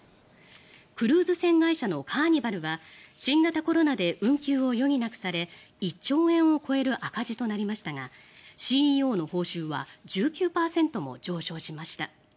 クルーズ船会社のカーニバルは新型コロナで運休を余儀なくされ１兆円を超える赤字となりましたがＣＥＯの報酬は１９％も上昇しました。